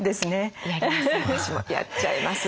私もやっちゃいます。